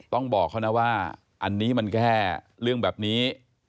ต้องบอกเขานะว่าอันนี้มันแค่เรื่องแบบนี้